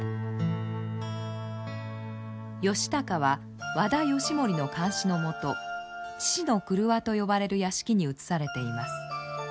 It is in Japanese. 義高は和田義盛の監視のもと質子の郭と呼ばれる屋敷に移されています。